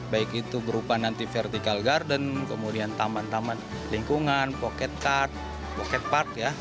baik itu berupa nanti vertical garden kemudian taman taman lingkungan pocket card pocket park ya